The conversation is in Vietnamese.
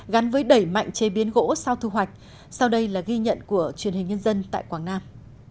gắn với đẩy mạnh chế biến gỗ sau thu hoạch sau đây là ghi nhận của truyền hình nhân dân tại quảng nam